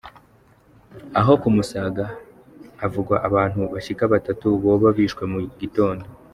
Aho ku Musaga havugwa abantu bashika batatu boba bishwe mu gitondo.